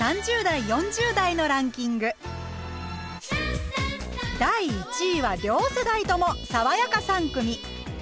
続いては第１位は両世代とも「さわやか３組」。